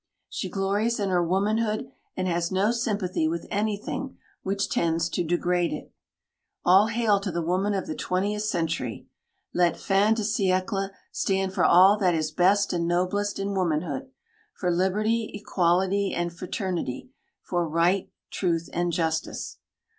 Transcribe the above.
She glories in her womanhood and has no sympathy with anything which tends to degrade it. All hail to the woman of the twentieth century; let fin de siècle stand for all that is best and noblest in womanhood: for liberty, equality, and fraternity; for right, truth, and justice.